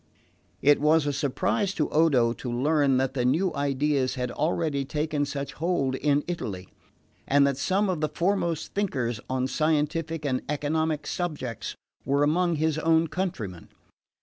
It was a surprise to Odo to learn that the new ideas had already taken such hold in Italy, and that some of the foremost thinkers on scientific and economic subjects were among his own countrymen.